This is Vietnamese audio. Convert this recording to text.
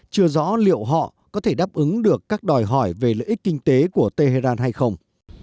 chưa rõ liệu họ có thể đáp ứng được các đòi hỏi về lợi ích kinh tế của tehran hay không